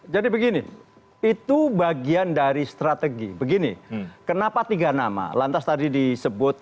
jadi begini itu bagian dari strategi begini kenapa tiga nama lantas tadi disebut